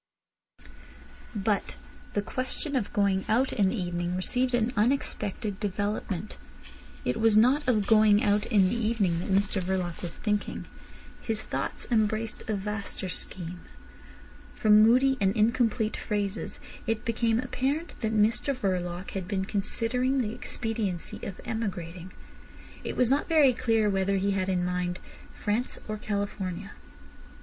But the question of going out in the evening received an unexpected development. It was not of going out in the evening that Mr Verloc was thinking. His thoughts embraced a vaster scheme. From moody and incomplete phrases it became apparent that Mr Verloc had been considering the expediency of emigrating. It was not very clear whether he had in his mind France or California.